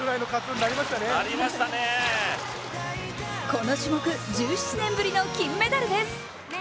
この種目、１７年ぶりの金メダルです。